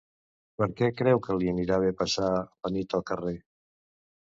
Per què creu que li anirà bé passar la nit al carrer?